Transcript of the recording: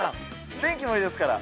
天気もいいですから！